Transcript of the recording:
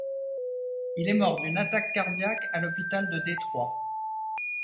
Il est mort d'une attaque cardiaque à l'hôpital de Détroit.